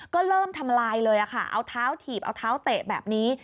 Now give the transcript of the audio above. ก็เริ่มทำลายเลยค่ะเอาเท้าถีบเอาเท้าเตะแบบนี้